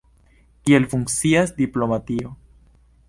Kiel funkcias diplomatio.